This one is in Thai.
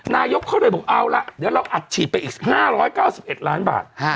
นายกเขาเลยบอกเอาละเดี๋ยวเราอัดฉีดไปอีก๕๙๑ล้านบาท